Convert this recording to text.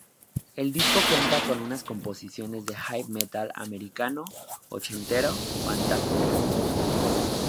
El disco cuenta con unas composiciones de Heavy metal americano ochentero fantásticas.